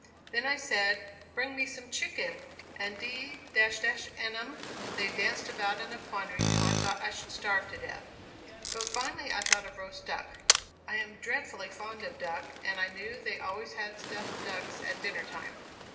Then I said, 'Bring me some chicken,' and d n 'em, they danced about in a quandary till I thought I should starve to death. But finally I thought of roast duck. I am dreadfully fond of duck, and I knew they always had stuffed ducks at dinner time.